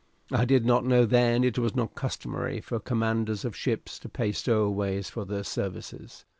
I did not then know that it is not customary for commanders of ships to pay stowaways for their services.